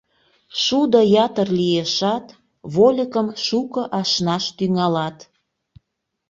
Шудо ятыр лиешат, вольыкым шуко ашнаш тӱҥалат.